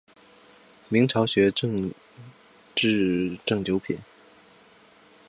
明朝学正秩正九品。